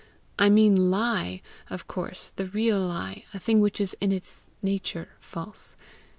I mean LIE, of course, the real lie a thing which is in its nature false.